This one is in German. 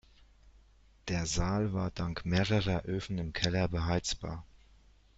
Der Saal war dank mehrerer Öfen im Keller beheizbar.